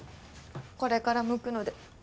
これからむくので。